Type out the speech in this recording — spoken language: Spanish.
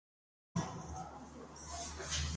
Se encuentra al sur de Australia Nueva Zelanda y Fiyi.